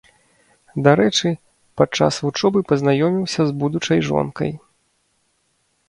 Дарэчы, падчас вучобы пазнаёміўся з будучай жонкай.